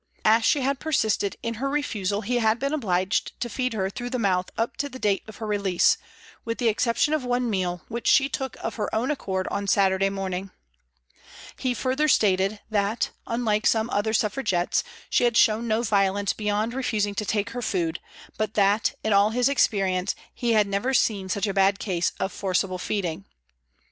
As she had persisted in her refusal, he had been obliged to feed her through the mouth up to the date of her release, with the exception of one meal, which she took of her own accord on Saturday morning. He further stated that, unlike some other Suffragettes, she had shown no violence beyond refusing to take her food, but that, in all his experience, he had never seen such a bad case of forcible feeding.